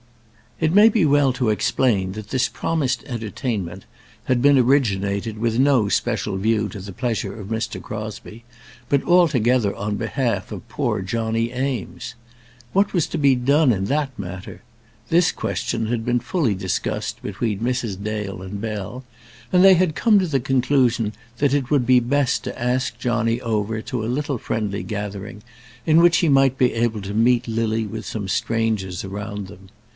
It may be well to explain that this promised entertainment had been originated with no special view to the pleasure of Mr. Crosbie, but altogether on behalf of poor Johnny Eames. What was to be done in that matter? This question had been fully discussed between Mrs. Dale and Bell, and they had come to the conclusion that it would be best to ask Johnny over to a little friendly gathering, in which he might be able to meet Lily with some strangers around them.